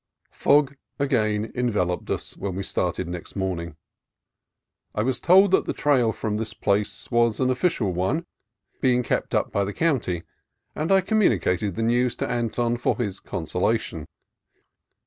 Fog again enveloped us when we started next morning. I was told that the trail from this place was an official one, being kept up by the county, and I communicated the news to Anton for his consola tion.